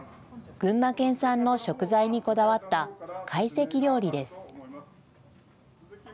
群馬県産の食材にこだわった懐石料理です。